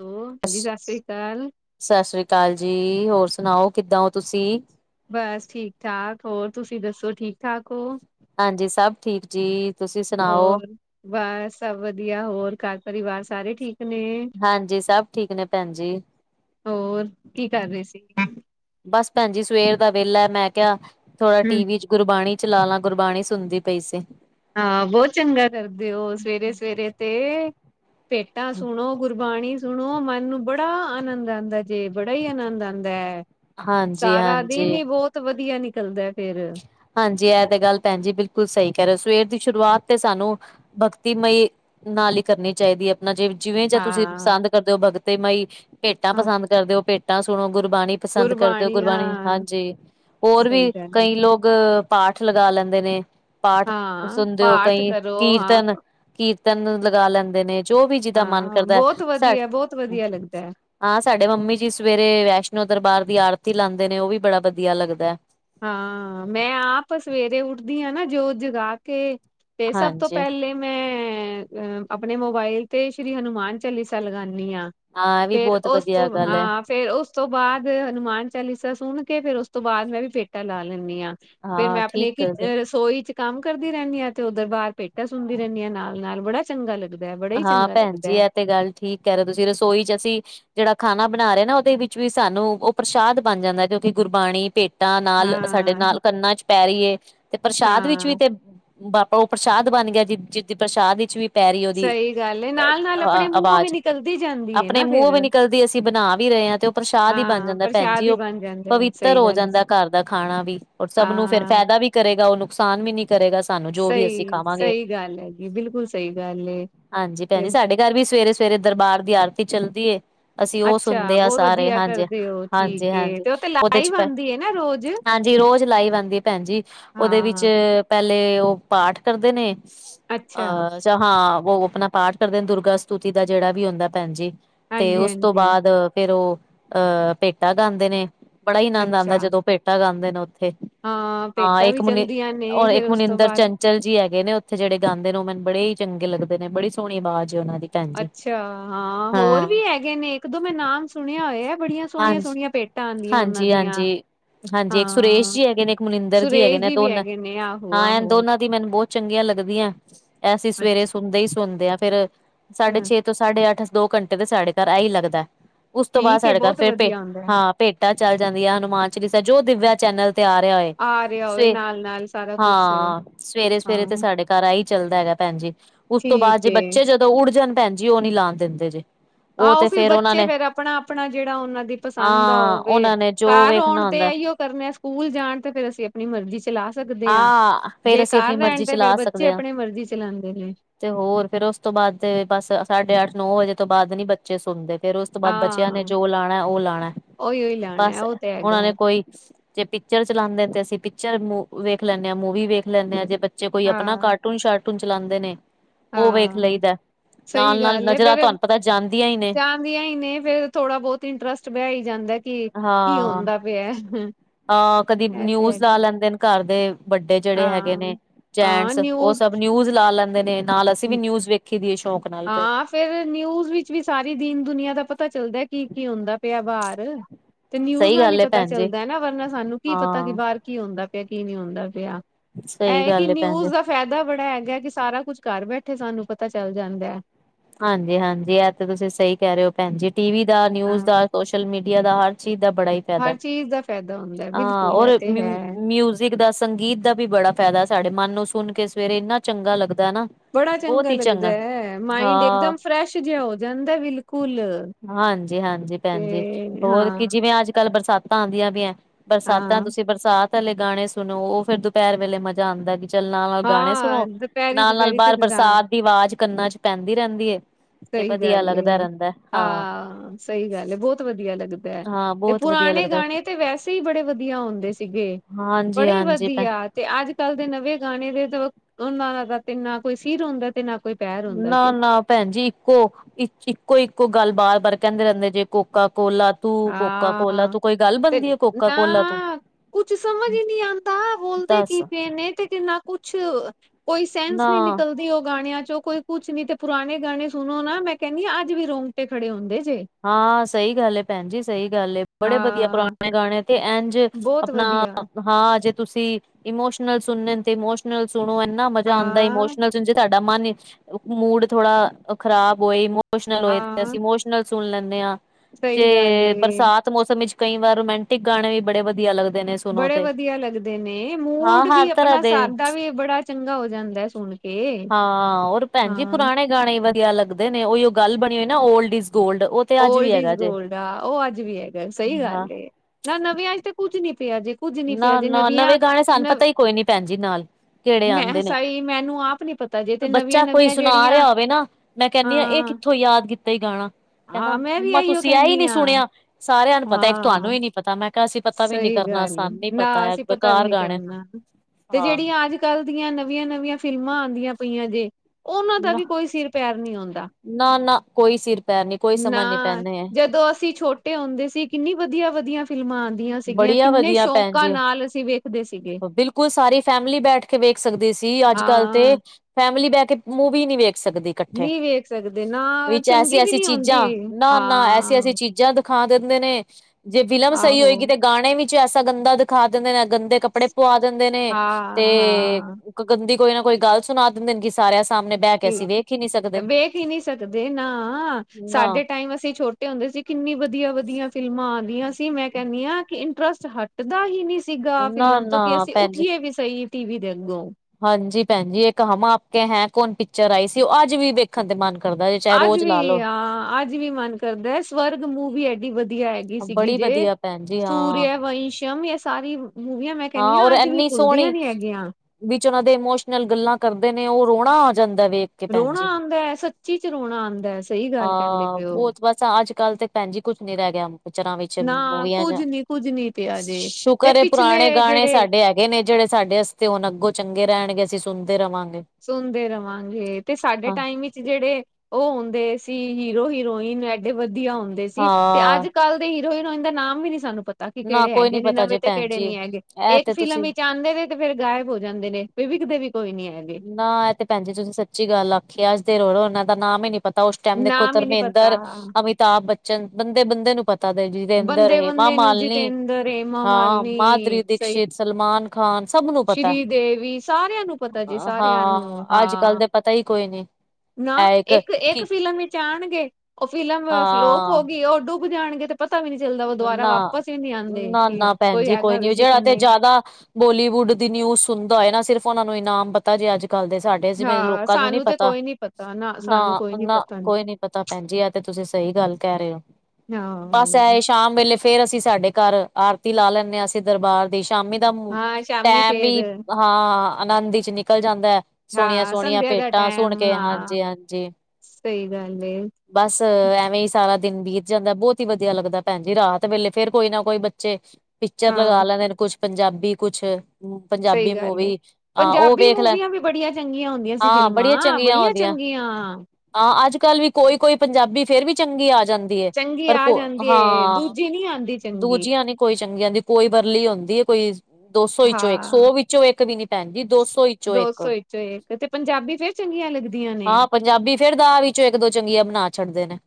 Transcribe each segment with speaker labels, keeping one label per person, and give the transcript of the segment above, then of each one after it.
Speaker 1: ਹੋਅ,
Speaker 2: ਸਸ
Speaker 1: ਹਾਂਜੀ ਸਤਿ ਸ਼੍ਰੀ ਕਾਲ।
Speaker 2: ਸਤਿ ਸ੍ਰੀ ਕਾਲ ਜੀ, ਹੋਰ ਸੁਣਾਓ ਕਿਦਾਂ ਓ ਤੁਸੀਂ?
Speaker 1: ਬਸ ਠੀਕ-ਠਾਕ, ਹੋਰ ਤੁਸੀਂ ਦੱਸੋ ਠੀਕ-ਠਾਕ ਓ?
Speaker 2: ਹਾਂਜੀ ਸਭ ਠੀਕ ਜੀ। ਤੁਸੀਂ ਸੁਣਾਓ?
Speaker 1: ਹੋਰ, ਬਸ ਸਭ ਵਧੀਆ, ਹੋਰ ਘਰ ਪਰਿਵਾਰ ਸਾਰੇ ਠੀ ਕ ਨੇ,
Speaker 2: ਹਾਂਜੀ ਸਭ ਠੀਕ ਨੇ ਭੈਣ ਜੀ,
Speaker 1: ਹੋਰ ਕੀ ਕਰ ਰੇ ਸੀ?
Speaker 2: ਬਸ ਭੈਣ ਜੀ ਸਵੇਰ ਦਾ ਵੇਲਾ ਮੈਂ ਕਿਹਾ ਥੋੜਾ
Speaker 1: ਹਮ
Speaker 2: ਟੀ ਵੀ ਚ ਗੁਰਬਾਣੀ ਚਲਾ ਲਾ ਗੁਰਬਾਣੀ ਸੁਣਦੀ ਪਈ ਸੀ।
Speaker 1: ਹਾਂ ਬਹੁ ਚੰਗਾ ਕਰਦੇ ਓ ਸਵੇਰੇ-ਸਵੇਰੇ ਤੇ ਭੇਟਾਂ ਸੁਣੋ, ਗੁਰਬਾਣੀ ਸੁਣੋ ਮਨ ਨੂੰ ਬੜਾ ਆਨੰਦ ਆਦਾ। ਜੇ ਬੜਾ ਈ ਆਨੰਦ ਆਂਦੈ ਸਾਰਾ
Speaker 2: ਹਾਂਜੀ-ਹਾਂਜੀ।
Speaker 1: ਦਿਨ ਈ ਬੋਤ ਵਧੀਆ ਨਿਕਲਦੈ ਫਿਰ
Speaker 2: ਹਾਂਜੀ ਐ ਤੇ ਗੱਲ ਭੈਣ ਜੀ ਬਿਲਕੁਲ ਸਈ ਕੈ ਰਿਓ ਸਵੇਰ ਦੀ ਸ਼ੁਰੂਆਤ ਤੇ ਸਾਨੂੰ ਭਗਤੀ ਮਈ ਨਾਲ ਈ ਕਰਨੀ ਚਾਈਦੀ ਐ। ਨਾ ਜੇਵ ਜਿਵੇਂ ਜ ਤੁਸੀਂ
Speaker 1: ਹਾਂ
Speaker 2: ਪਸੰਦ ਕਰਦੇ ਓ ਭਗਤੇ ਮਾਈ ਭੇਟਾਂ
Speaker 1: ਹਾਂ
Speaker 2: ਪਸੰਦ ਕਰਦੇ ਓ ਭੇ ਤਾ ਸੁਣੋ ਗੁਰਬਾਣੀ ਪਸੰਦ ਕਰਦੇ ਓ ਗੁਰਬਾਣੀ ਹਾਂਜੀ ਹੋਰ
Speaker 1: ਸਹੀ
Speaker 2: ਵੀ
Speaker 1: ਗੱਲ
Speaker 2: ਲੋਗ ਪਾਠ ਲਗਾ ਲੈਂਦੇ ਨੇ ਪਾਠ
Speaker 1: ਹਾਂ
Speaker 2: ਸੁਣਦੇ ਓ
Speaker 1: ਪਾਠ
Speaker 2: ਕਈ
Speaker 1: ਕਰੋ
Speaker 2: ਕੀਰਤਨ
Speaker 1: ਹਾਂ
Speaker 2: ਕੀਰਤਨ ਲਗਾ ਲੈਂਦੇ ਨੇ ਜੋ ਵੀ ਜਿਦਾ ਮਨ
Speaker 1: ਹਾਂ
Speaker 2: ਕਰਦੈ
Speaker 1: ਬਹੁਤ ਵਧੀਆ ਬਹੁਤ ਵਧੀਆ ਲੱਗਦਾ ਹੈ
Speaker 2: ਹਾਂ ਸਾਡੇ ਮੰਮੀ ਜੀ ਸਵੇਰੇ ਵੈਸ਼ਨੋ ਦਰਬਾਰ ਦੀ ਆਰਤੀ ਲਾਂਦੇ ਨੇ ਓ ਵੀ ਬੜਾ ਵਧੀਆ ਲੱਗਦੈ।
Speaker 1: ਹਾਂ ਮੈਂ ਆਪ ਸਵੇਰੇ ਉੱਠਦੀ ਆ ਨਾ ਜੋਤ ਜਗਾ ਕੇ ਤੇ ਸਭ ਤੋਂ
Speaker 2: ਹਾਂਜੀ
Speaker 1: ਪਹਿਲੇ ਮੈਂ ਅ ਆਪਣੇ ਮੋਬਾਇਲ ਤੇ ਸ਼੍ਰੀ ਹਨੂੰਮਾਨ ਚਾਲੀਸਾ ਲਗਾਨੀ ਆ।
Speaker 2: ਹਾਂ ਇਹ ਵੀ
Speaker 1: ਫੇਰ
Speaker 2: ਬਹੁਤ
Speaker 1: ਓ ਤੋਂ
Speaker 2: ਵਧੀਆ ਗੱਲ ਹੈ
Speaker 1: ਹਾਂ ਫੇਰ ਉਸ ਤੋਂ ਬਾਦ ਹਨੂੰਮਾਨ ਚਾਲੀਸਾ ਸੁਣ ਕੇ ਫੇਰ ਉਸ ਤੋਂ ਬਾਦ ਮੈਂ ਵੀ ਭੇਟਾਂ ਲਾ ਲੈਂਨੀ ਆ। ਫਿਰ ਮੈਂ
Speaker 2: ਹਾਂ
Speaker 1: ਕੀ ਆਪਣੀ
Speaker 2: ਠੀਕ
Speaker 1: ਇੱਕ
Speaker 2: ਕਰਦੇ
Speaker 1: ਰਸੋਈ ਚ ਕੰਮ ਕਰਦੀ ਰੈਨੀ ਆ ਤੇ ਉੱਧਰ ਬਾਰ ਭੇਟਾਂ ਸੁਣਦੀ ਰੈਨੀ ਆ ਨਾਲ-ਨਾਲ ਬੜਾ ਚੰਗਾ ਲੱਗਦੈ ਬੜਾ ਈ
Speaker 2: ਹਾਂ
Speaker 1: ਚੰਗਾ
Speaker 2: ਭੈਣ ਜੀ
Speaker 1: ਲੱਗਦੈ।
Speaker 2: ਇਹ ਤੇ ਗੱਲ ਠੀਕ ਕੈ ਰਿਓ ਤੁਸੀਂ ਰਸੋਈ ਚ ਅਸੀਂ ਜੇੜਾ ਖਾਣਾ ਬਣਾ ਰਿਆ ਨਾ ਓਦੇ ਵਿੱਚ ਵੀ ਸਾਨੂੰ ਓ ਪ੍ਰਸ਼ਾਦ ਬਣ ਜਾਂਦਾ ਕਿਉਂਕੀ ਗੁਰਬਾਣੀ ਭੇ ਟਾਂ ਨਾਲ ਸਾਡੇ
Speaker 1: ਹਾਂ
Speaker 2: ਨਾਲ ਕੰਨਾਂ ਚ ਪੈ ਰੀਏ ਤੇ ਪ੍ਰਸ਼ਾਦ
Speaker 1: ਹਾਂ
Speaker 2: ਵਿੱਚ ਵੀ ਤੇ ਬਾਪਾ ਓ ਪ੍ਰਸ਼ਾਦ ਬਣ ਗਿਆ ਜ ਜਿਦੀ ਪ੍ਰਸ਼ਾਦ ਵਿੱਚ ਵੀ ਪੈਰੀ ਐ ਓਦੀ
Speaker 1: ਸਹੀ ਗੱਲ ਏ ਨਾਲ-ਨਾਲ ਆਪਣੇ
Speaker 2: ਹਾਂ
Speaker 1: ਮੂੰਹੋਂ ਵੀ
Speaker 2: ਆਵਾਜ਼
Speaker 1: ਨਿਕਲਦੀ ਜਾਂਦੀ ਏ
Speaker 2: ਆਪਣੇ
Speaker 1: ਨਾ ਫੇਰ
Speaker 2: ਮੂੰਓ ਵੀ ਨਿਕਲਦੀ ਅਸੀਂ ਬਣਾ ਵੀ ਰਿਆ ਤੇ ਓ ਪ੍ਰਸ਼ਾਦ ਈ ਬਣ
Speaker 1: ਹਾਂ
Speaker 2: ਜਾਂਦਾ ਭੈਣ
Speaker 1: ਪ੍ਰਸ਼ਾਦ
Speaker 2: ਜੀ
Speaker 1: ਹੀ
Speaker 2: ਓ
Speaker 1: ਬਣ ਜਾਂਦਾ ਹੈ
Speaker 2: ਪਵਿੱਤਰ
Speaker 1: ਸਹੀ
Speaker 2: ਹੋ
Speaker 1: ਗੱਲ ਏ
Speaker 2: ਜਾਂਦਾ ਘਰ ਦਾ ਖਾਣਾ ਵੀ ਓ ਸਭ ਨੂੰ ਫੇਰ
Speaker 1: ਹਾਂ
Speaker 2: ਫੈਦਾ ਵੀ ਕਰੇਗਾ ਓ ਨੁਕਸਾਨ ਵੀ ਨੀ ਕਰੇਗਾ। ਸਾਨੂੰ ਜੋ ਵੀ ਅਸੀਂ ਖਾਵਾਂਗੇ
Speaker 1: ਸਈ-ਸਈ ਗੱਲ ਐ ਜੀ ਬਿਲਕੁੱਲ ਸਈ ਗੱਲ ਏ।
Speaker 2: ਹਾਂਜੀ ਭੈਣ
Speaker 1: ਤੇ
Speaker 2: ਜੀ ਸਾਡੇ ਘਰ ਵੀ ਸਵੇਰੇ-ਸਵੇਰੇ ਦਰਬਾਰ ਦੀ ਆਰਤੀ ਚੱਲਦੀ ਏ ਅਸੀਂ ਓ
Speaker 1: ਅੱਛਾ
Speaker 2: ਸੁਣਦੇ ਆ
Speaker 1: ਬਹੁਤ
Speaker 2: ਸਾਰੇ
Speaker 1: ਵਧੀਆ ਕਰਦੇ ਹੋ ਠੀਕ ਏ
Speaker 2: ਹਾਂਜੀ-ਹਾਂਜੀ-ਹਾਂਜੀ
Speaker 1: ਤੇ ਉਹ ਤੇ
Speaker 2: ਉਦੇ ਚ
Speaker 1: ਲਾਈਵ
Speaker 2: ਪ
Speaker 1: ਆਂਦੀ ਏ ਨਾ ਰੋਜ਼
Speaker 2: ਹਾਂਜੀ ਰੋਜ਼ ਲਾਈਵ ਆਂਦੀ ਆ ਭੈਣ ਜੀ ਓਦੇ ਵਿੱਚ
Speaker 1: ਹਾਂ
Speaker 2: ਪੈਲੇ ਓ ਪਾਠ ਕਰਦੇ ਨੇ
Speaker 1: ਅੱਛਾ
Speaker 2: ਅ ਜਾਂ ਹਾਂ ਵੋ ਆਪਣਾ ਪਾਠ ਕਰਦੇ ਨੇ ਦੁਰਗਾ ਸਤੂਤੀ ਦਾ ਜੇੜਾ ਵੀ ਹੁੰਦੈ ਭੈਣ ਜੀ ਤੇ ਉਸ ਤੋਂ
Speaker 1: ਹਾਂਜੀ-ਹਾਂਜੀ
Speaker 2: ਬਾਦ ਫਿਰ ਓ ਅ ਭੇਟਾ ਗਾਂਦੇ ਨੇ ਬੜਾ ਈ ਆਨੰਦ ਆਂਦਾ
Speaker 1: ਅੱਛਾ
Speaker 2: ਜਦੋਂ ਭੇਟਾ ਗਾਂਦੇ ਨੇ ਓਥੇ। ਹਾਂ
Speaker 1: ਭੇਟਾਂ ਵੀ
Speaker 2: ਇੱਕ ਮਨੀ
Speaker 1: ਚਲਦੀਆਂ ਨੇ
Speaker 2: ਓਰ ਇੱਕ
Speaker 1: ਫੇਰ ਉਸ ਤੋਂ
Speaker 2: ਮਨਿੰਦਰ
Speaker 1: ਬਾਅਦ
Speaker 2: ਚੰ ਚਲ ਜੀ ਹੈਗੇ ਨੇ ਓਥੇ ਜੇੜੇ ਗਾਂਦੇ ਨੇ ਓ ਮੈਨੂੰ ਬੜੇ ਈ ਚੰਗੇ ਲੱਗਦੇ ਨੇ ਬੜੀ ਸੋਣੀ ਆਵਾਜ਼ ਓਨਾਂ ਦੀ ਭੈਣ ਜੀ
Speaker 1: ਅੱਛਾ ਹਾਂ ਹੋਰ ਵੀ ਹੈਗੇ ਨੇ ਇੱਕ ਦੋ ਮੈਂ ਨਾਮ ਸੁਣਿਆ ਹੋਇਐ ਬੜੀਆਂ
Speaker 2: ਹਾਂਜੀ
Speaker 1: ਸੋਣੀਆਂ-ਸੋਣੀਆਂ ਪੇ ਟਾਂ ਆਂਦੀਆਂ ਓਨਾਂ
Speaker 2: ਹਾਂਜੀ
Speaker 1: ਦੀਆਂ
Speaker 2: ਹਾਂਜੀ ਹਾਂਜੀ ਇੱਕ
Speaker 1: ਹਾਂ
Speaker 2: ਸੁਰੇਸ਼ ਜੀ ਹੈਗੇ ਨੇ ਇੱਕ ਮਨਿੰਦਰ ਜੀ ਹੈਗੇ
Speaker 1: ਸੁਰੇਸ਼
Speaker 2: ਨੇ
Speaker 1: ਵੀ
Speaker 2: ਦੋਨ
Speaker 1: ਹੈਗੇ ਨੇ ਆਹੋ
Speaker 2: ਹਾਂ ਐ
Speaker 1: ਆਹੋ
Speaker 2: ਦੋਨਾਂ ਦੀ ਮੈਨੂੰ ਬੋ ਚੰਗੀਆਂ ਲੱਗਦੀਆਂ ਅਸੀਂ ਸਵੇਰੇ
Speaker 1: ਅੱਛਾ
Speaker 2: ਸੁਣਦੇ ਈ ਸੁਣਦੇ ਆ ਫੇਰ ਸਾਡੇ ਛੇ ਤੋਂ ਸਾਢੇ ਅੱਠ ਦੋ ਘੰਟੇ ਤੇ ਸਾਡੇ ਘਰ ਆ ਈ ਲੱਗਦੈ ਉਸ ਤੋਂ ਬਾਦ
Speaker 1: ਠੀਕ ਏ
Speaker 2: ਸਾਡੇ ਘਰ
Speaker 1: ਬਹੁਤ
Speaker 2: ਫਿਰ ਭੇ
Speaker 1: ਵਧੀਆ ਹੁੰਦਾ ਹੈ।
Speaker 2: ਹਾਂ ਭੇਟਾ ਚੱਲ ਜਾਂਦੀਆਂ, ਹਨੂੰਮਾਨ ਚਾਲੀਸਾ ਜੋ ਦਿਵਿਆ ਚੈਨਲ ਤੇ ਆ ਰਿਆ ਹੋਏ।
Speaker 1: ਆ ਰਿਹਾ ਹੋਵੇ
Speaker 2: ਸਵੇ
Speaker 1: ਨਾਲ ਨਾਲ ਸਾਰਾ ਕੁਛ
Speaker 2: ਹਾਂ ਸਵੇਰੇ-ਸਵੇਰੇ ਤੇ
Speaker 1: ਹਾਂ
Speaker 2: ਸਾਡੇ ਘਰ ਆਈ ਚੱਲਦਾ ਹੈਗਾ ਭੈਣ ਜੀ। ਉਸ ਤੋਂ
Speaker 1: ਠੀਕ
Speaker 2: ਬਾਦ ਜੇ
Speaker 1: ਏ
Speaker 2: ਬੱਚੇ ਜਦੋਂ ਉੱਡ ਜਾਣ ਭੈਣ ਜੀ ਓ ਨੀ ਲਾਣ ਦਿੰਦੇ ਜੇ। ਉਹ
Speaker 1: ਆਓ
Speaker 2: ਤੇ
Speaker 1: ਫਿਰ
Speaker 2: ਫੇਰ ਉਹਨਾਂ
Speaker 1: ਬੱਚੇ
Speaker 2: ਨੇ
Speaker 1: ਫਿਰ ਆਪਣਾ-ਆਪਣਾ ਜੇੜਾ ਉਨਾਂ ਦੀ ਪਸੰਦ ਆ
Speaker 2: ਹਾਂ
Speaker 1: ਹੋਵੇ
Speaker 2: ਉਹਨਾਂ ਨੇ ਜੋ
Speaker 1: ਘਰ
Speaker 2: ਵੇਖਣਾ
Speaker 1: ਹੋਣ ਤੇ
Speaker 2: ਹੁੰਦਾ
Speaker 1: ਐਈਓ ਕਰਨੈ ਸਕੂਲ ਜਾਣ ਤੇ ਫੇਰ ਅਸੀਂ ਆਪਣੀ ਮਰਜ਼ੀ ਚ ਚਲਾ ਸਕਦੇ ਆ
Speaker 2: ਆਹ ਫੇਰ
Speaker 1: ਜੇ
Speaker 2: ਅਸੀਂ ਆਪਣੀ
Speaker 1: ਘਰ ਰੈਣ
Speaker 2: ਮਰਜ਼ੀ
Speaker 1: ਤੇ ਫੇਰ
Speaker 2: ਚਲਾ
Speaker 1: ਬੱਚੇ
Speaker 2: ਸਕਦੇ ਹਾਂ।
Speaker 1: ਆਪਣੇ ਮਰਜ਼ੀ ਚਲਾਂਦੇ ਨੇ।
Speaker 2: ਤੇ ਹੋਰ ਫੇਰ ਉਸ ਤੋਂ ਬਾਦ ਬਸ ਸਾਢੇ ਅੱਠ ਨੌ ਵਜੇ ਤੋਂ ਬਾਦ ਨੀ ਬੱਚੇ ਸੋਂਦੇ। ਫੇਰ ਉਸ ਤੋਂ ਬਾਦ ਬੱਚਿਆਂ ਨੇ
Speaker 1: ਹਾਂ
Speaker 2: ਜੋ ਲਾਣਾ ਓ ਲਾਣਾ
Speaker 1: ਉਹੀ ਉਹੀ
Speaker 2: ਬਸ
Speaker 1: ਲਾਉਣਾ ਉਹ ਤੇ ਹੈਗਾ
Speaker 2: ਓਨਾਂ ਨੇ
Speaker 1: ਹੈ
Speaker 2: ਕੋਈ ਜੇ ਪਿਕਚਰ ਚਲਾਉਂਦੇ ਨੇ ਤੇ ਅਸੀਂ ਪਿਕਚਰ ਮੂ ਵੇਖ ਲੈਂਦੇ ਹਾਂ, ਮੂਵੀ ਵੇਖ ਲੈਂਦੇ ਹਾਂ। ਜੇ ਬੱਚੇ ਕੋਈ ਆਪਣਾ
Speaker 1: ਹਾਂ
Speaker 2: ਕਾਰਟੂ ਟੂਨ ਸ਼ਾਰਟੂਨ ਚਲਾਉਂਦੇ ਨੇ ਉਹ ਵੇਖ
Speaker 1: ਹਾਂ
Speaker 2: ਲਈਦਾ ਐ। ਨਾਲ
Speaker 1: ਸਹੀ
Speaker 2: -ਨਾਲ
Speaker 1: ਗੱਲ ਹੈ
Speaker 2: ਨਜ਼ਰਾਂ
Speaker 1: ਫੇਰ
Speaker 2: ਤੁਹਾਨੂੰ ਪਤਾ ਜਾਂਦੀਆਂ ਹੀ ਨੇ।
Speaker 1: ਹੀ ਨੇ ਫਿਰ ਥੋੜਾ ਬਹੁਤ ਇੰਟਰਸਟ ਵੇਹੀ ਜਾਂਦਾ ਕਿ, ਕੀ ਹੁੰਦਾ ਪਿਆ ਐ।
Speaker 2: ਆ ਕਦੀ ਨਿਊਜ਼ ਲਾ ਲੈਂਦੇ ਨੇ ਘਰ ਦੇ। ਵੱਡੇ ਜਿਹੜੇ ਹੈਗੇ
Speaker 1: ਹਾਂ
Speaker 2: ਨੇ
Speaker 1: ਹਾਂ
Speaker 2: ਜੈਂਟਸ ਉਹ
Speaker 1: ਨਿਊਜ਼
Speaker 2: ਸਭ ਨਿਊਜ਼ ਲਾ ਲੈਂਦੇ ਨੇ, ਨਾਲ ਅਸੀਂ ਵੀ ਨਿਊਜ਼ ਵੇਖੀ ਕੀਦੇ ਆ ਸ਼ੌਕ
Speaker 1: ਹਾਂ ਫਿਰ ਨਿਊਜ਼ ਵਿੱਚ ਵੀ ਸਾਰੀ ਦੀਨ ਦੁਨੀਆਂ ਦਾ ਪਤਾ ਚੱਲਦਾ ਕੀ-ਕੀ ਹੁੰਦਾ ਪਿਆ ਬਾਰ। ਤੇ ਨਿਊਜ਼
Speaker 2: ਸਹੀ
Speaker 1: ਨਾਲ ਹੀ
Speaker 2: ਗੱਲ ਏ
Speaker 1: ਪਤਾ
Speaker 2: ਭੈਣ ਜੀ
Speaker 1: ਚੱਲਦਾ ਏ ਨਾ ਵਰਨਾ ਸਾਨੂੰ ਕੀ ਪਤਾ ਕੀ
Speaker 2: ਹਾਂ
Speaker 1: ਬਾਹਰ ਕੀ ਹੁੰਦਾ ਪਿਆ, ਕੀ ਨਹੀਂ ਹੁੰਦਾ ਪਿਆ।
Speaker 2: ਸਹੀ
Speaker 1: ਇਹ ਕਿ
Speaker 2: ਗੱਲ ਏ ਭੈਣ ਜੀ।
Speaker 1: ਨਿਊਜ਼ ਫਾਇਦਾ ਬੜਾ ਹੈਗਾ, ਕਿ ਸਾਰਾ ਕੁੱਝ ਘਰ ਬੈਠੇ ਸਾਨੂੰ ਪਤਾ ਚੱਲ ਜਾਂਦਾ ਆ।
Speaker 2: ਹਾਂਜੀ -ਹਾਂਜੀ ਇਹ ਤੇ ਤੁਸੀਂ ਸਹੀ ਕਹਿ ਰਹੇ ਹੋ ਭੈਣ ਜੀ। ਟੀਵੀ ਦਾ, ਨਿਊਜ਼
Speaker 1: ਹਾਂ
Speaker 2: ਦਾ, ਸੋਸ਼ਲ ਮੀਡੀਆ ਦਾ ਹਰ ਚੀਜ਼ ਦਾ ਬੜਾ ਹੀ ਫਾ਼ਇਦਾ
Speaker 1: ਹਰ
Speaker 2: ਏ।
Speaker 1: ਚੀਜ਼ ਦਾ ਫਾਇਦਾ ਹੁੰਦਾ
Speaker 2: ਆ
Speaker 1: ਬਿਲਕੁਲ ਇਹ
Speaker 2: ਔਰ
Speaker 1: ਤੇ ਹੈ
Speaker 2: ਮਿਊਜਜ ਦਿਖਦਾ ਸੰਗੀਤ ਦਾ ਵੀ ਬੜਾ ਫਾਇਦਾ ਸਾਡੇ ਮਨ ਨੂੰ ਸੁਣ ਕੇ ਸਵੇਰੇ ਇੰਨਾ ਚੰਗਾ ਲੱਗਦਾ ਨਾ।
Speaker 1: ਬੜਾ
Speaker 2: ਬਹੁਤ
Speaker 1: ਚੰਗਾ
Speaker 2: ਹੀ
Speaker 1: ਲੱਗਦਾ ਹੈ। ਮਾਇੰਡ
Speaker 2: ਹਾਂ
Speaker 1: ਇੱਕਦਮ ਫਰੈਸ਼ ਜਿਹਾ ਹੋ ਜਾਂਦਾ ਬਿਲਕੁਲ।
Speaker 2: ਹਾਂਜੀ-ਹਾਂਜੀ
Speaker 1: ਤੇ
Speaker 2: ਭੈਣ ਜੀ, ਹੋਰ
Speaker 1: ਹਾਂ
Speaker 2: ਕੀ ਜਿਵੇਂ ਅੱਜ ਕੱਲ੍ਹ ਬਰਸਾਤਾਂ ਤਾਂ ਆਉਂਦੀਆਂ ਪਈਆ ਬਰਸਾਤਾਂ
Speaker 1: ਹਾਂ
Speaker 2: ਤੁਸੀਂ ਬਰਸਾਤ ਵਾਲੇ ਗਾਣੇ ਸੁਣੋ, ਉਹ ਫਿਰ ਦੁਪਹਿਰ ਵੇਲੇ ਮਜ਼ਾ ਆਉਂਦਾ ਵੀ ਚੱਲ ਨਾਲ -ਨਾਲ ਗਾਣੇ
Speaker 1: ਹਾਂ
Speaker 2: ਸੁਣੋ।
Speaker 1: ਦੁਪਹਿਰੀ
Speaker 2: ਨਾਲ-ਨਾਲ
Speaker 1: ਦੁਪਹਿਰੀ ਤੇ
Speaker 2: ਬਾਹਰ
Speaker 1: ਹਾਂ
Speaker 2: ਬਰਸਾਤ ਦੀ ਆਵਾਜ਼ ਕੰਨਾਂ ਚ ਪੈਂਦੀ ਰਹਿੰਦੀ ਐ। ਤੇ
Speaker 1: ਸਹੀ
Speaker 2: ਵਧੀਆ
Speaker 1: ਗੱਲ ਏ
Speaker 2: ਲੱਗਦਾ ਰਹਿੰਦਾ, ਹਾਂ।
Speaker 1: ਸਹੀ ਗੱਲ ਹੈ, ਬਹੁਤ ਵਧੀਆ ਲੱਗਦਾ।
Speaker 2: ਬਹੁਤ ਵਧੀਆ
Speaker 1: ਪੁਰਾਣੇ
Speaker 2: ਲੱਗਦਾ
Speaker 1: ਗਾਣੇ ਤੇ ਵੈਸੇ ਹੀ ਬੜੇ ਵਧੀਆ ਆਉਂਦੇ ਸੀਗੇ। ਬੜੇ ਹੀ
Speaker 2: ਹਾਂਜੀ-ਹਾਂਜੀ ਭੈ
Speaker 1: ਵਧੀਆ। ਤੇ ਅੱਜ ਕੱਲ ਦੇ ਨਵੇਂ ਗਾਣੇ ਦੇ, ਉਹਨਾਂ ਦਾ ਤੇ ਨਾ ਕੋਈ ਸਿਰ ਹੁੰਦਾ ਤੇ ਨਾ ਕੋਈ ਪੈਰ ਹੁੰਦਾ ਜੇ
Speaker 2: ਨਾ-ਨਾ। ਭੈਣ ਜੀ ਇੱਕੋ-ਇੱਕੋ-ਇੱਕੋ ਗੱਲ ਬਾਰ-ਬਾਰ ਕਹਿੰਦੇ ਰਹਿੰਦੇ ਜੇ ਕੋਕਾ ਕੋਲਾ ਤੂੰ ਕੋਕਾ
Speaker 1: ਹਾਂ
Speaker 2: -ਕੋਲਾ ਤੂੰ, ਕੋਈ ਗੱਲ
Speaker 1: ਤੇ
Speaker 2: ਬਣਦੀ ਹੈ ਕੋਕਾ ਕੋਲਾ ਤੂੰ।
Speaker 1: ਨਾ ਕੁਛ ਸਮਝ ਹੀ ਨਹੀਂ ਆਂਦਾ ਬੋਲਦੇ
Speaker 2: ਦੱਸ
Speaker 1: ਕੀ ਪੇ ਨੇ ਤੇ ਕਿੰਨਾ ਕੁਛ ਕੁਛ, ਕੋਈ ਸੈਂਸ ਨਹੀਂ
Speaker 2: ਨਾ
Speaker 1: ਨਿਕਲਦੀ ਉਹ ਗਾਣਿਆਂ ਚੋ ਉਹ ਕੋਈ ਕੁਛ ਨੀ ਤੇ ਪੁਰਾਂਣੇ ਗਾਣੇ ਸੁਣੋ ਨਾ ਮੈਂ ਕਹਿੰਦੀ ਹਾਂ, ਅੱਜ ਵੀ ਰੋਂਗਟੇ ਖੜੇ ਹੁੰਦੇ ਜੇ।
Speaker 2: ਹਾਂ ਸਹੀ ਗੱਲ ਏ, ਭੈਣ ਜੀ ਸਹੀ ਗੱਲ ਏ। ਬੜੇ ਵਧੀਆ
Speaker 1: ਹਾਂ
Speaker 2: ਪੁਰਾਣੇ ਗਾਣੇ ਤੇ ਜੇ
Speaker 1: ਬਹੁਤ
Speaker 2: ਆਪਣਾ
Speaker 1: ਵਧੀਆ
Speaker 2: ਹਾਂ, ਜੇ ਤੁਸੀਂ ਇਮੋਸ਼ਨਲ ਸੁਣੇ ਤੇ ਇਮੋਸ਼ਨਲ ਸੁਣੋ, ਇੰਨਾ ਮਜ਼ਾ ਆਉਂਦਾ
Speaker 1: ਹਾਂ
Speaker 2: ਇਮੋਸ਼ਨਲ ਉਂਝ ਤੁਹਾਡਾ ਮਨ ਮੂਡ ਥੋੜਾ ਖ਼ਰਾਬ ਹੋਏ, ਇਮੋਸ਼ਨਲ ਹੋਏ ਤੇ
Speaker 1: ਹਾਂ
Speaker 2: ਅਸੀਂ ਇਮੋਸਜ ਸੁਣ ਲੈਂਣੇ ਆਂ।
Speaker 1: ਸਹੀ ਗੱਲ
Speaker 2: ਤੇ
Speaker 1: ਏ
Speaker 2: ਬਰਸਾਤ ਮੌਸਮ ਵਿੱਚ ਕਈ ਵਾਰ ਰੋਮਾਂਟਿਕ ਗਾਣੇ ਵੀ ਬੜੇ ਵਧੀਆ ਲੱਗਦੇ। ਨੇ ਸੁਣੋ
Speaker 1: ਬੜੇ
Speaker 2: ਤੇ।
Speaker 1: ਵਧੀਆ ਲੱਗਦੇ ਨੇ।
Speaker 2: ਹਾਂ,
Speaker 1: ਮੂਡ ਵੀ
Speaker 2: ਹਰ ਤਰ੍ਹਾਂ
Speaker 1: ਆਪਣਾ
Speaker 2: ਦੇ
Speaker 1: ਸਾਦਾ ਵੀ ਬੜਾ ਚੰਗਾ ਹੋ ਜਾਂਦਾ ਸੁਣ ਕੇ
Speaker 2: ਹਾਂ ਹੋਰ ਭੈਣ ਜੀ
Speaker 1: ਹਾਂ
Speaker 2: ਪੁਰਾਣੇ ਗਾਣੇ ਵਧੀਆਂ ਲੱਗਦੇ ਨੇ। ਉ ਗੱਲ ਬਣੀ ਹੋਈ ਨਾ ਓਲਡ ਇਜ਼ ਗੋਲਡ ਉਹ ਤੇ ਅੱਜ ਵੀ
Speaker 1: ਓਲਡ ਇਜ਼
Speaker 2: ਹੈਗਾ ਜੇ।
Speaker 1: ਗੋਲਡ ਆ ਉਹ ਅੱਜ ਵੀ ਹੈਗਾ ਸਹੀ
Speaker 2: ਹਾਂ
Speaker 1: ਗੱਲ ਏ। ਨਾ ਨਵਿਆਂ ਚ ਤੇ ਕੁੱਝ ਨੀ ਪਿਆ ਜੀ।
Speaker 2: ਨਾ-ਨਾ ਨਵੇਂ ਗਾਣੇ ਸਾਨੂੰ ਪਤਾ ਹੀ ਕੋਈ ਨੀ ਭੈਣ ਜੀ ਨਾਲ। ਕਿਹੜੇ
Speaker 1: ਮੈਂ
Speaker 2: ਆਉਂਦੇ ਨੇ।
Speaker 1: ਸਹੀ ਮੈਨੂੰ ਆਪ ਨੀ ਪਤਾ ਜੇ ਤੇ
Speaker 2: ਬੱਚਾ ਕੋਈ
Speaker 1: ਨਵੀਆਂ-ਨਵੀਆਂ
Speaker 2: ਸੁਣਾ
Speaker 1: ਜਿਹੜੀਆਂ
Speaker 2: ਰਿਹਾ ਹੋਵੇ ਨਾ ਮੈਂ ਕੇਹਨੀ ਹਾਂ ਇਹ ਕਿੱਥੋਂ ਯਾਦ ਕੀਤਾ ਈ ਗਾਣਾ, ਕਹਿੰਦਾ
Speaker 1: ਹਾਂ ਮੈਂ ਵੀ
Speaker 2: ਮੰਮਾ
Speaker 1: ਇਹੀਓ
Speaker 2: ਤੁਸੀਂ ਆ ਹੀ
Speaker 1: ਕਹਿੰਨੀ
Speaker 2: ਨੀ ਸੁਣਿਆ। ਸਾਰਿਆਂ ਨੂੰ ਪਤਾ ਇੱਕ ਤੁਹਾਨੂੰ
Speaker 1: ਹਾਂ,
Speaker 2: ਹੀ ਨੀ ਪਤਾ, ਮੈਂ ਕਿਹਾ ਅਸੀਂ ਪਤਾ ਵੀ ਨੀ
Speaker 1: ਸਹੀ
Speaker 2: ਕਰਨਾ।
Speaker 1: ਗੱਲ
Speaker 2: ਸਾਨੂੰ ਨੀ
Speaker 1: ਨਾ
Speaker 2: ਪਤਾ ਹੈ
Speaker 1: ਅਸੀਂ ਪਤਾ ਵੀ
Speaker 2: ਬੇਕਾਰ
Speaker 1: ਨੀ
Speaker 2: ਗਾਣੇ
Speaker 1: ਕਰਨਾ। ਤੇ
Speaker 2: ਹਾਂ
Speaker 1: ਜਿਹੜੀਆਂ ਆਜ ਅੱਜ ਕੱਲ੍ਹ ਦੀਆਂ ਨਵੀਆਂ-ਨਵੀਆਂ ਫਿਲਮਾਂ ਆਉਂਦੀਆਂ ਪਈਆਂ ਜੇ। ਉਹਨਾਂ ਦਾ ਵੀ ਕੋਈ ਸਿਰ ਪੈਰ ਨੀ ਆਉਂਦਾ।
Speaker 2: ਨਾ-ਨਾ ਕੋਈ ਸਿਰ ਪੈਰ ਨੀ ਕੋਈ ਸਮਝ ਨੀ
Speaker 1: ਨਾ
Speaker 2: ਪੈਂਦੇ ਹੈ
Speaker 1: ਜਦੋਂ ਅਸੀਂ ਛੋਟ ਵੇਖ ਆਉਂਦੇ ਸੀ ਕਿੰਨੀਆਂ ਵਧੀਆ-ਵਧੀਆ ਫਿਲਮਾਂ ਆਉਂਦੀਆਂ ਸੀਗੀਆਂ।
Speaker 2: ਬੜੀਆ
Speaker 1: ਕਿੰਨੇ
Speaker 2: ਵਧੀਆ ਭੈਣ
Speaker 1: ਸ਼ੌਕਾਂ
Speaker 2: ਜੀ
Speaker 1: ਨਾਲ ਅਸੀਂ ਵੇਖ
Speaker 2: ਬਿਲਕੁਲ ਸਾਰੀ ਫੈ਼ਮਲੀ ਬੈਠ ਕੇ ਵੇਖ ਸਕਦੀ ਸੀ ਅੱਜ ਕੱਲ ਤੇ।
Speaker 1: ਹਾਂ।
Speaker 2: ਫੈਮਿਲੀ ਬਹਿ ਕੇ ਮੂਵੀ ਨਹੀਂ ਵੇਖ ਸਕਦੀ। ਇਕੱਠੇ
Speaker 1: ਨੀ ਵੇਖ ਸਕਦੇ ਨਾ
Speaker 2: ਵਿੱਚ ਐਸੀ-
Speaker 1: ਚੰਗੀ ਵੀ
Speaker 2: ਐਸੀ
Speaker 1: ਨੀ
Speaker 2: ਚੀਜ਼ਾਂ
Speaker 1: ਹੁੰਦੀ
Speaker 2: ਨਾ ਨਾ ਐਸੀ -ਐਸੀ
Speaker 1: ਹਾਂ,
Speaker 2: ਚੀਜ਼ਾਂ। ਦਿਖਾ ਦਿੰਦੇ ਨੇ ਜੇ ਫਿਲਮ ਸਹੀ
Speaker 1: ਆਹੋ।
Speaker 2: ਹੋਏਗੀ ਤੇ ਗਾਣੇ ਵਿੱਚ ਐਸਾ ਗੰਦਾ ਦਿਖਾ ਦਿੰਦੇ ਨੇ ਗੰਦੇ ਕੱਪੜੇ। ਕੱਪੜੇ ਪਵਾ ਦਿੰਦੇ ਨੇ
Speaker 1: ਹਾਂ
Speaker 2: ਤੇ
Speaker 1: ਹਾਂ
Speaker 2: ਗੰਦੀ ਕੋਈ ਨਾ ਕੋਈ ਗੱਲ ਸੁਣਾ ਦਿੰਦੇ ਨੇ ਕਿ ਸਾਰਿਆਂ ਸਾਹਮਣੇ। ਬਹਿ ਕੇ ਅਸੀਂ ਵੇਖ ਹੀ ਨਹੀਂ ਸਕਦੇ
Speaker 1: ਵੇਖ ਹੀ ਨਹੀ ਸਕਦੇ ਨਾ
Speaker 2: ਨਾ
Speaker 1: ਸਾਡੇ ਟਾਈਮ ਅਸੀਂ ਛੋਟੇ। ਛੋਟੇ ਹੁੰਦੇ ਸੀ ਕਿੰਨੀ ਵਧੀਆ ਵਧੀਆ ਫਿਲਮਾਂ ਆਂਦੀਆਂ ਸੀ ਮੈਂ ਕਹਿੰਨੀ ਆ ਕਿ ਇੰਟਰਸਟ ਹੱਟਦਾ ਹੀ ਨੀ ਸੀ। ਫਿਦਾ ਫਿਲਮ
Speaker 2: ਨਾ-ਨਾ
Speaker 1: ਤੋਂ ਕੀ ਅਸੀਂ
Speaker 2: ਭੈਣ ਜੀ
Speaker 1: ਉੱਠੀਏ ਵੀ ਸਹੀ ਟੀ ਵੀ ਦੇ ਅੱਗੋ।
Speaker 2: ਹਾਂਜੀ ਭੈਣਜੀ ਇੱਕ ਹਮ ਆਪ ਕੇ ਹੈਂ ਕੌਣ ਪਿਕਚਰ ਆਈ ਸੀ ਉਹ ਅੱਜ ਵੀ ਵੇਖਣ ਦੇ ਮਨ। ਚਾਹੇ ਰੋਜ਼ ਲਾਲੋ।
Speaker 1: ਜਿਵੇਂ ਮਨ ਕਰਦਾ ਸਵਰਗ ਮੂੰਵੀ ਐਡੀ ਵਧੀਆ ਹੈਗੀ।
Speaker 2: ਬੜੀ ਵਧੀਆ ਭੈਣ। ਜੀ ਹਾਂ
Speaker 1: ਸੂਰਯ ਵੰਸ਼ਮ ਇਹ ਸਾਰੀ ਮੂਵੀਆਂ ਮੈਂ
Speaker 2: ਹਾਂ
Speaker 1: ਕਹਿੰਨੀ
Speaker 2: ਔਰ
Speaker 1: ਆ ਅੱਜ ਵੀ
Speaker 2: ਇੰਨੀ
Speaker 1: ਭੁੱਲਦੀਆਂ
Speaker 2: ਸੋਹਣੀ
Speaker 1: ਨੀ ਹੈਗੀਆਂ।
Speaker 2: ਵਿੱਚ ਉਹਨਾਂ ਦੇ ਇਮੋਸ਼ਨਲ ਗੱਲਾਂ ਕਰਦੇ ਨੇ ਉਹ ਰੋਣਾ ਆ ਜਾਂਦਾ ਵੇ।
Speaker 1: ਰੋਣਾ ਆਂਦਾ ਸੱਚੀ ਚ ਰੋਣਾ ਆਂਦਾ ਸਹੀ ਗੱਲ ਕਹਿੰਦੇ ਪਏਓ।
Speaker 2: ਸਾਲ ਤੇ ਕੱਲ ਤੇ ਭੈਣਜੀ ਕੁੱਝ ਨੀ ਰਹਿ ਗਿਆ ਹੁਣ। ਪਿਕਚਰਾਂ ਵਿੱਚ
Speaker 1: ਨਾ
Speaker 2: ਮੂਵੀਆਂ ਜਾਂ
Speaker 1: ਕੁੱਝ ਨੀ ਕੁੱਝ ਨੀ ਪਿਆ ਜੇ ਤੇ
Speaker 2: ਸ਼ੁਕਰ ਐ
Speaker 1: ਪਿਛਲੇ
Speaker 2: ਪੁਰਾਣੇ ਗਾਣੇ
Speaker 1: ਜਿਹੜੇ
Speaker 2: ਸਾਡੇ ਹੈ। ਇਹ ਨੇ ਜਿਹੜੇ ਸਾਡੇ ਵਾਸਤੇ ਹੁਣ ਅੱਗੋਂ ਚੰਗੇ ਰਹਿਣਗੇ ਅਸੀਂ ਸੁਣਦੇ ਰਵਾਂਗੇ।
Speaker 1: ਸੁਣਦੇ ਰਵਾਂਗੇ ਤੇ ਸਾਡੇ
Speaker 2: ਹਾਂ
Speaker 1: ਟਾਈਮ ਵਿੱਚ। ਜਿਹੜੇ ਉਹ ਹੁੰਦੇ ਸੀ ਹੀਰੋ ਹੀਰੋਇਨ ਐਡੇ ਵਧੀਆ ਹੁੰਦੇ ਸੀ ਤੇ
Speaker 2: ਹਾਂ
Speaker 1: ਅੱਜ ਕੱਲ। ਹੀਰੋ ਹੀਰੋਈਨ ਦਾ ਨਾਮ ਵੀ ਨੀ ਸਾਨੂੰ ਪਤਾ। ਤਾਂ ਕਿ
Speaker 2: ਨਾ
Speaker 1: ਕਿਹੜੇ
Speaker 2: ਕੋਈ ਨੀ
Speaker 1: ਹੈਗੇ ਨੇ
Speaker 2: ਪਤਾ
Speaker 1: ਨਵੇਂ
Speaker 2: ਜੇ
Speaker 1: ਤੇ
Speaker 2: ਭੈਣ
Speaker 1: ਕਿਹੜੇ
Speaker 2: ਜੀ
Speaker 1: ਨੀ ਹੈਗੇ
Speaker 2: ਇਹ
Speaker 1: ਇੱਕ
Speaker 2: ਤੇ
Speaker 1: ਫਿਲਮ
Speaker 2: ਤੁਸੀਂ
Speaker 1: ਵਿੱਚ ਆਂਦੇ ਦੇ। ਤੇ ਫਿਰ ਗਾਇਬ ਹੋ ਜਾਂਦੇ ਨੇ ਤੇ ਵਿਖਦੇ ਵੀ ਕੋਈ ਨੀ ਹੈਗੇ।
Speaker 2: ਨਾ ਇਹ ਤੇ ਭੈਣਜੀ ਤੁਸੀਂ ਸੱਚੀ ਗੱਲ ਆਖੀ ਅੱਜ ਦੇ ਰੋੜੋ ਉਹਨਾਂ ਦਾ ਨਾਮ ਈ ਨੀ ਪਤਾ। ਉਸ ਟਾਈਮ ਦੇਖੋ
Speaker 1: ਨਾਮ ਹੀ ਨੀ ਪਤਾ
Speaker 2: ਧਰਮਿੰਦਰ ਅਮਿਤਾਭ ਬੱਚਨ ਬੰਦੇ ਬੰਦੇ ਨੂੰ ਪਤਾ। ਜਿਤੇਂਦਰ
Speaker 1: ਬੰਦੇ
Speaker 2: ਹੇਮਾਂ
Speaker 1: ਬੰਦੇ ਨੂੰ
Speaker 2: ਮਾਲਨੀ
Speaker 1: ਜਿਤੇਂਦਰ ਹੇਮਾ
Speaker 2: ਹਾਂ ਮਾਦੁਰੀ
Speaker 1: ਮਾਲਿਨੀ ਸਹੀ
Speaker 2: ਦੀਕਸ਼ਿਤ ਸਲਮਾਨ। ਖਾਨ ਸਭ। ਨੂੰ ਪਤਾ
Speaker 1: ਸ਼੍ਰੀ ਦੇਵੀ ਸਾਰਿਆਂ ਨੂੰ ਪਤਾ। ਜੇ ਸਾਰਿਆਂ ਨੂੰ
Speaker 2: ਹਾਂ ਅੱਜ ਕੱਲ
Speaker 1: ਹਾਂ
Speaker 2: ਤੇ ਪਤਾ ਈ ਕੋਈ ਨੀ।
Speaker 1: ਨਾ
Speaker 2: ਇਹ
Speaker 1: ਇੱਕ ਇੱਕ
Speaker 2: ਕਿ
Speaker 1: ਫਿਲਮ ਵਿੱਚ ਆਣਗੇ ਉਹ ਫਿਲਮ ਫਲੋਪ
Speaker 2: ਹਾਂ
Speaker 1: ਹੋ ਗਈ ਉਹ ਡੁੱਬ ਜਾਣਗੇ ਤੇ। ਪਤਾ ਵੀ ਨਹੀ ਚੱਲਦਾ ਦੁਬਾਰਾ
Speaker 2: ਨਾ
Speaker 1: ਵਾਪਸ ਈ ਨੀ ਆਂਦੇ ਕਿ ਕੋਈ ਹੈਗਾ ਵੀ ਸੀ ਕਿ ਨਹੀਂ।
Speaker 2: ਦਾ [unintelligible] ਬੋਲੀਵੁੱਡ ਦੀ ਨਿਊਜ਼ ਸੁਣਦਾ ਹੋਏ ਨਾ ਸਿਰਫ ਉਹਨਾਂ ਨੂੰ ਨਾਮ ਪਤਾ ਜੇ ਅੱਜ ਕੱਲ੍ਹ ਦੇ ਸਾਡੇ।
Speaker 1: ਹਾਂ
Speaker 2: ਲੋਕਾਂ ਨੂੰ ਨੀ
Speaker 1: ਸਾਨੂੰ ਤੇ
Speaker 2: ਪਤਾ
Speaker 1: ਕੋਈ ਨੀ ਪਤਾ
Speaker 2: ਨਾ
Speaker 1: ਸਾਨੂੰ ਕੋਈ ਨੀ
Speaker 2: ਨਾ
Speaker 1: ਪਤਾ
Speaker 2: ਕੋਈ ਨੀ ਪਤਾ ਭੈਣ ਜੀ ਅੱਜ। ਤੇ ਤੁਸੀਂ ਸਹੀ ਗੱਲ ਕਹਿ ਰਹੇ ਹੋ।
Speaker 1: [unintelligible]
Speaker 2: ਬਸ ਐ ਸ਼ਾਮ ਵੇਲੇ ਫੇਰ ਅਸੀਂ ਸਾਡੇ ਘਰ ਆਰਤੀ ਲਾ ਲੈਂਦੇ ਆ। ਤੇ ਦਰਬਾਰ ਦੀ ਸ਼ਾਮੀ ਦਾ
Speaker 1: ਹਾਂ ਸ਼ਾਮੀ
Speaker 2: ਟੈਮ
Speaker 1: ਫੇਰ
Speaker 2: ਵੀ ਹਾਂ ਆਨੰਦ ਚ ਨਿਕਲ ਜਾਂਦਾ ਐ।
Speaker 1: ਹਾਂ
Speaker 2: ਸੋਹਣੀਆਂ-ਸੋਹਣੀਆਂ
Speaker 1: ਸੰਧਿਆ ਦਾ
Speaker 2: ਭੇਟਾਂ ਸੁਣ
Speaker 1: ਟੈਮ
Speaker 2: ਕੇ
Speaker 1: ਹਾਂ
Speaker 2: ਹਾਂਜੀ-ਹਾਂਜੀ।
Speaker 1: ਸਹੀ ਗੱਲ ਏ
Speaker 2: ਬਸ ਐਵੇਂ ਈ ਸਾਰਾ ਦਿਨ ਬੀਤ ਜਾਂਦਾ ਬਹੁਤ ਹੀ ਵਧੀਆ ਲੱਗਦਾ। ਭੈਣ ਜੀ ਰਾਤ ਵੇਲੇ ਫੇਰ ਕੋਈ ਨਾ ਕੋਈ ਬੱਚੇ ਪਿਕਚਰ ਲਗਾ
Speaker 1: ਹਾਂ
Speaker 2: ਲੈਂਦੇ ਨੇ ਕੁਛ ਪੰਜਾਬੀ ਕੁਛ। ਪੰਜਾਬੀ
Speaker 1: ਸਹੀ ਗੱਲ ਏ
Speaker 2: ਮੂਵੀ ਹਾਂ ਉਹ
Speaker 1: ਪੰਜਾਬੀ
Speaker 2: ਵੇਖ ਲੈ
Speaker 1: ਮੂਵੀਆਂ ਵੀ ਬੜੀਆਂ ਚੰਗੀਆਂ ਹੁੰਦੀਆਂ ਸੀ
Speaker 2: ਹਾਂ ਬੜੀਆਂ
Speaker 1: ਫਿਲਮਾਂ
Speaker 2: ਚੰਗੀਆਂ
Speaker 1: ਬੜੀਆਂ।
Speaker 2: ਆਉਂਦੀਆਂ
Speaker 1: ਚੰਗੀਆਂ।
Speaker 2: ਅੱਜ ਕੱਲ੍ਹ ਵੀ ਕੋਈ ਕੋਈ ਪੰਜਾਬੀ ਫੇਰ ਵੀ ਚੰਗੀ ਆ ਜਾਂਦੀ ਹੈ
Speaker 1: ਚੰਗੀ
Speaker 2: ਪਰ
Speaker 1: ਆ
Speaker 2: ਕੋ।
Speaker 1: ਜਾਂਦੀ ਏ
Speaker 2: ਹਾਂ
Speaker 1: ਦੂਜੀ ਨੀ ਆਉਂਦੀ ਚੰਗੀ
Speaker 2: ਦੂਜੀਆਂ ਨੀ। ਕੋਈ ਚੰਗੀ ਆਂਦੀ ਕੋਈ ਵਰਲੀ ਆਉਂਦੀ ਐ ਕੋਈ ਦੋ ਸੌ ਇੱਚੋਂ ਇੱਕ
Speaker 1: ਹਾਂ
Speaker 2: ਸੌ ਵਿੱਚੋਂ ਇੱਕ ਵੀ ਨੀ ਭੈਣ ਜੀ ਦੋ ਸੌ ਚੋ
Speaker 1: ਦੋ
Speaker 2: ਇੱਕ
Speaker 1: ਸੌ ਵਿੱਚੋਂ ਇੱਕ ਤੇ ਪੰਜਾਬੀ ਫੇਰ ਚੰਗੀਆਂ ਲੱਗਦੀਆਂ ਨੇ।
Speaker 2: ਹਾਂ ਪੰਜਾਬੀ ਫੇਰ ਦਾ ਵਿੱਚੋਂ ਇੱਕ ਦੋ ਚੰਗੀਆਂ ਬਣਾ ਛੱਡਦੇ ਨੇ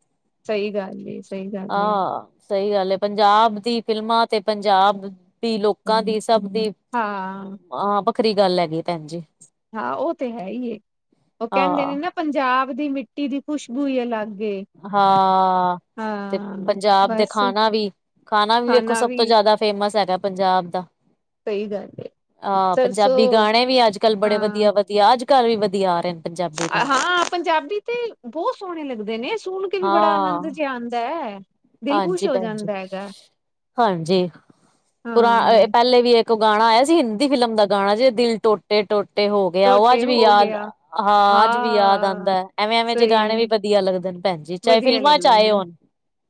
Speaker 1: ਸਹੀ ਗੱਲੀ ਐ ਸਹੀ ਗੱਲ ਏ,
Speaker 2: ਆਹ ਸਹੀ ਗੱਲ ਐ ਪੰਜਾਬ ਦੀ ਫਿਲਮਾਂ ਤੇ ਪੰਜਾਬ ਦੀ ਲੋਕਾਂ ਦੀ ਸਭ ਦੀ
Speaker 1: ਹਾਂ
Speaker 2: ਆ ਵੱਖਰੀ ਗੱਲ ਹੈਗੀ ਏ ਭੈਣ ਜੀ
Speaker 1: ਹਾਂ ਉਹ ਤੇ ਹੈ ਈ ਏ ਉਹ ਕਹਿੰਦੇ ਨੇ
Speaker 2: ਹਾਂ
Speaker 1: ਨਾ ਪੰਜਾਬ ਦੀ ਮਿੱ ਟੀ ਦੀ ਖੁਸ਼ਬੂ ਹੀ ਅਲੱਗ ਏ
Speaker 2: ਹਾਂ ਤੇ
Speaker 1: ਹਾਂ,
Speaker 2: ਪੰਜਾਬ ਦੇ
Speaker 1: ਬਸ
Speaker 2: ਖਾਣਾ ਵੀ ਖਾਣਾ ਵੀ ਵੇਖੋ ਸਭ ਤੋਂ ਜ਼ਿਆਦਾ ਫੇਮਸ ਹੈਗਾ ਪੰਜਾਬ ਦਾ
Speaker 1: ਸਹੀ ਗੱਲ ਏ,
Speaker 2: ਆ ਪੰਜਾਬੀ
Speaker 1: ਸਰਸੋਂ
Speaker 2: ਗਾਣੇ ਵੀ ਅੱਜ ਕੱਲ ਬੜੇ
Speaker 1: ਹਾਂ,
Speaker 2: ਵਧੀਆ ਵਧੀਆ ਅੱਜ ਕੱਲ ਵੀ ਵਧੀਆ ਆ ਰੇ ਨ
Speaker 1: ਹਾਂ ਪੰਜਾਬੀ ਤੇ ਬਹੁਤ ਸੋਹਣੇ ਲੱਗਦੇ ਨੇ ਸੁਣ ਕੇ ਵੀ ਬੜਾ ਆਨੰਦ
Speaker 2: ਹਾਂ
Speaker 1: ਜਿਆ ਆਂਦਾ ਹੈ
Speaker 2: ਹਾਂਜੀ ਭੈਣ ਜੀ ਹਾਂਜੀ ਪੁਰਾ
Speaker 1: ਹਾਂ,
Speaker 2: ਪਹਿਲੇ ਵੀ ਇੱਕ ਉਹ ਗਾਣਾ ਆਇਆ ਸੀ ਹਿੰਦੀ ਫਿਲਮ ਦਾ ਗਾਣਾ ਜੇ ਦਿਲ ਟੋਟ ਟੇ ਟੋਟੇ ਹੋ ਗਿਆ ਉਹ
Speaker 1: ਟੋਟੇ
Speaker 2: ਅੱਜ ਵੀ
Speaker 1: ਹੋ
Speaker 2: ਯਾਦ
Speaker 1: ਗਿਆ।
Speaker 2: ਹਾਂ ਅੱਜ ਵੀ ਯਾਦ
Speaker 1: ਹਾਂ,
Speaker 2: ਆਂਦੈ ਐਵੇਂ ਐਵੇਂ ਜੇ ਗਾਣੇ
Speaker 1: ਸਹੀ
Speaker 2: ਵੀ ਪਤ ਵਧੀਆ ਲੱਗਦੇ ਨੇ ਭੈਣ ਜੀ ਚਾਹੇ ਫਿਲਮਾਂ ਚ ਆਏ ਹੋਣ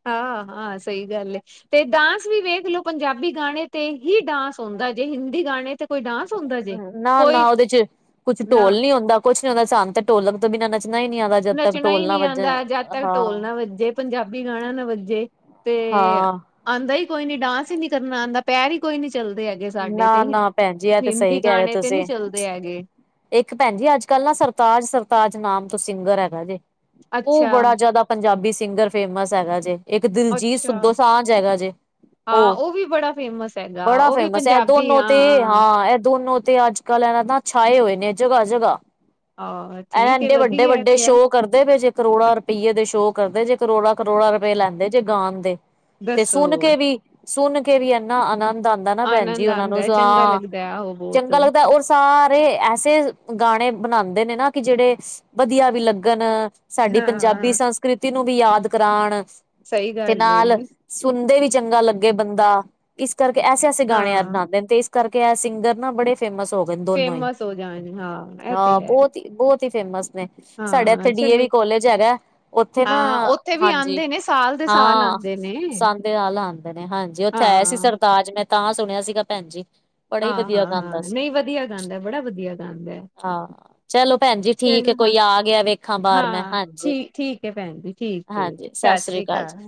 Speaker 1: ਹਾਂ ਹਾਂ ਸਹੀ ਗੱਲ ਏ ਤੇ ਡਾਂਸ ਵੀ ਵੇਖ ਲਓ ਪੰਜਾਬੀ ਗਾਣੇ ਤੇ ਹੀ ਡਾਂਸ ਹੋਂਦਾ ਜੇ ਹਿੰਦੀ ਗਾਣੇ ਤੇ ਕੋਈ ਡਾਂਸ ਹੁੰਦਾ ਜੇ।
Speaker 2: ਨਾ ਨਾ
Speaker 1: ਕੋਈ
Speaker 2: ਉਹਦੇ ਚ ਕੁੱਛ
Speaker 1: ਨਾ
Speaker 2: ਢੋਲ ਨੀ ਹੁੰਦਾ ਕੁੱਛ ਨੀ ਹੋਂਦਾ ਸਾਨ ਤੇ ਢੋਲਣ ਤੋਂ ਬਿਨਾਂ ਨੱਚਣਾ ਹੀ ਨੀ ਆਂਦਾ
Speaker 1: ਨੱਚਣਾ ਹੀ ਨਹੀਂ ਆਂਦਾ ਜਦ ਤੱਕ ਢੋਲ ਨਾ ਵੱਜੇ ਪੰਜਾਬੀ ਗਾਣਾ ਨਾ ਵੱਜੇ ਤੇ
Speaker 2: ਹਾਂ
Speaker 1: ਆਂਦਾ ਹੀ ਕੋਈ ਨੀ ਡਾਂਸ ਹੀ ਨਹੀਂ ਕਰਨਾ ਆਂਦਾ ਪੈਰ ਹੀ ਕੋਈ ਨੀ ਚੱਲਦੇ ਹੈਗ ਗੇ ਸਾਡੇ
Speaker 2: ਨਾ
Speaker 1: ਤੇ
Speaker 2: ਨਾ ਭੈਣ ਜੀ ਇਹ ਤੇ
Speaker 1: ਹਿੰਦੀ ਗਾਣੇ ਤੇ ਨਹੀ ਚੱਲਦੇ ਹੈਗੇ
Speaker 2: ਏੱਕ ਭੈਣ ਜੀ ਅੱਜ ਕੱਲ ਨਾ ਸਰਤਾਜ ਸਰਤਾਜ ਨਾਮ ਤੋਂ ਸਿੰਗਰ ਹੈਗਾ ਜੇ ਉਹ ਬੜਾ
Speaker 1: ਅੱਛਾ-ਅੱਛਾ।
Speaker 2: ਜਿਆਦਾ ਪੰਜਾਬੀ ਸਿੰਗਰ ਫੇਮਸ ਹੈਗਾ ਜੇ ਇੱਕ ਦਿਲਜੀਤ ਸੋ ਦੌਸਾਂਝ ਹੈਗਾ ਜੇ
Speaker 1: ਹਾਂ
Speaker 2: ਉਹ
Speaker 1: ਵੀ ਬੜਾ ਫੇਮਸ ਹੈਗਾ
Speaker 2: ਬੜਾ
Speaker 1: ਉਹ ਵੀ
Speaker 2: ਫੇਮਸ ਏਹ
Speaker 1: ਪੰਜਾਬੀ
Speaker 2: ਦੋਨੋ ਤੇ
Speaker 1: ਹਾਂ-ਹਾਂ।
Speaker 2: ਹਾਂ ਏਹ ਦੋਨੋ ਤੇ ਅੱਜ ਕੱਲ ਲੈਣਾ ਤਾਂ ਛਾਏ ਹੋਏ ਨੇ ਜਗ੍ਹਾ ਜਗ੍ਹਾ
Speaker 1: ਆਹ
Speaker 2: ਐ
Speaker 1: ਠੀਕ ਹੈ
Speaker 2: ਐਡੇ ਵੱਡੇ
Speaker 1: ਵਧੀਆ
Speaker 2: ਵੱਡੇ
Speaker 1: ਤੇ ਹੈ
Speaker 2: ਸ਼ੋਅ ਕਰਦੇ ਪਏ ਜੇ ਕਰੋੜਾਂ ਰੁਪਈਏ ਦੇ ਸ਼ੋਅ ਕਰਦੇ ਜੇ ਕਰੋੜਾਂ ਕਰੋੜਾਂ ਰੁਪਏ ਲੈਂਦੇ ਜੇ ਗਾਨ ਦੇ ਤੇ ਸੁਣ
Speaker 1: ਦੱਸੋ।
Speaker 2: ਕੇ ਵੀ ਸੁਣ ਕੇ ਵੀ ਏਨਾ ਆਨੰਦ ਆਦ ਨਾ ਭੈਣ ਜੀ
Speaker 1: ਆਨੰਦ
Speaker 2: ਉਹਨਾ
Speaker 1: ਆਂਦਾ
Speaker 2: ਨੂੰ
Speaker 1: ਹੈ,
Speaker 2: ਸ
Speaker 1: ਚੰਗਾ
Speaker 2: ਆਹ
Speaker 1: ਲੱਗਦਾ ਆ ਉਹ ਬਹੁਤ
Speaker 2: ਚੰਗਾ ਲਗਦੈ ਔਰ ਸਾਰੇ ਐਸੇ ਗਾਣੇ ਬਣਾਦੇ ਨੇ ਨਾ ਕਿ ਜਿਹੜੇ ਵਧੀਆ ਵੀ ਲੱਗਣ ਸਾਡੀ ਪੰਜਾਬੀ
Speaker 1: ਹਾਂ।
Speaker 2: ਸੰਸਕ੍ਰਿਤੀ ਨੂੰ ਵੀ ਯਾਦ ਕਰਾਉਣ
Speaker 1: ਸਹੀ
Speaker 2: ਤੇ
Speaker 1: ਗੱਲ
Speaker 2: ਨਾਲ
Speaker 1: ਏ।
Speaker 2: ਸੁਣਦੇ ਵੀ ਚੰਗਾ ਲੱਗੇ ਬੰਦਾ ਇਸ ਕਰਕੇ ਐਸੇ ਐਸੇ ਗਾਣੇ ਏ
Speaker 1: ਹਾਂ।
Speaker 2: ਬਣਾਦੇ ਨੇ ਤੇ ਇਸ ਕਰਕੇ ਏਹ ਸਿੰਗਰ ਨਾ ਬੜੇ ਫੇਮਸ ਹੋ ਗਏ ਨੇ ਦੋਨੋ ਹੀ
Speaker 1: ਸੋ ਜਾਣ ਹਾਂ ਏਹ ਤੇ ਹੈ
Speaker 2: ਤੇ ਫੇਮਸ ਨੇ ਸਾਡੇ
Speaker 1: ਹਾਂ
Speaker 2: ਏੱਥੇ ਡੀ ਏ ਵੀ
Speaker 1: ਚਲੋ
Speaker 2: ਕੋਲੇਜ ਹੈਗਾ ਉੱਥੇ ਨਾ
Speaker 1: ਹਾਂ ਉੱਥੇ ਵੀ
Speaker 2: ਹਾਂਜੀ
Speaker 1: ਆਂਦੇ ਨੇ ਸਾਲ ਦੇ ਸਾਲ
Speaker 2: ਹਾਂ
Speaker 1: ਆਂਦੇ ਨੇ
Speaker 2: [unintelligible] ਅਲ ਆਂਦੇ ਨੇ ਹਾਂਜੀ ਉੱਥੇ ਆਇਆ ਸੀ
Speaker 1: ਹਾਂ।
Speaker 2: ਸਰਤਾਜ ਮੈ ਤਾਂ ਸੁਣਿਆ ਸੀਗਾ ਭੈਣ ਜੀ ਬੜਾ ਹੀ
Speaker 1: ਹਾਂ
Speaker 2: ਵਧੀਆ
Speaker 1: ਹਾਂ ਹਾਂ
Speaker 2: ਗਾਉਂਦਾ ਸੀ
Speaker 1: ਨਹੀਂ ਵਧੀਆ ਗਾਂਦਾ ਬੜਾ ਵਧੀਆ ਗਾਂਦਾ
Speaker 2: ਹਾਂ ਚਲੋ ਭੈਣ ਜੀ ਠੀਕ ਹੈ
Speaker 1: ਚਲੋ ਹਾਂ
Speaker 2: ਕੋਈ ਆ ਗਿਆ ਵੇਖਾਂ ਬਾਹਰ ਮੈਂ
Speaker 1: ਹਾਂ
Speaker 2: ਹਾਂਜੀ
Speaker 1: ਠੀ ਠੀਕ ਹੈ ਭੈਣ ਜੀ ਠੀਕ ਠੀਕ ਸਤਿ ਸੀ੍ ਅਕਾਲ